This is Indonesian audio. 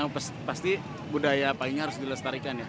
yang pasti budaya payungnya harus dilestarikan ya